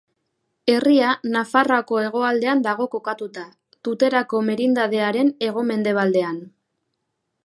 Herria, Nafarroa hegoaldean dago kokatuta, Tuterako merindadearen hego-mendebaldean.